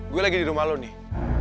gue lagi di rumah lo nih